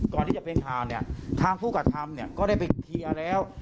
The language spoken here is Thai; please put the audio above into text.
ก่อนที่จะเป็นทางเนี้ยทางผู้ก่าธรรมเนี้ยก็ได้ไปเทียแล้ว